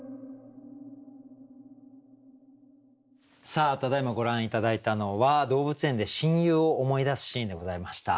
さあただいまご覧頂いたのは動物園で親友を思い出すシーンでございました。